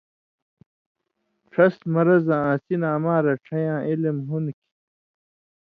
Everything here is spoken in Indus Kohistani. ݜس مرض آں اسی نہ اما رڇھئین٘یاں علم ہُوندوۡ کھیں